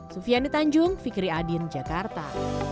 sufiani tanjung fikri adin jakarta